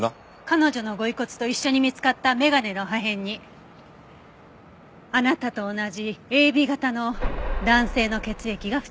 彼女のご遺骨と一緒に見つかった眼鏡の破片にあなたと同じＡＢ型の男性の血液が付着していました。